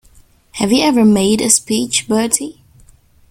Have you ever made a speech, Bertie?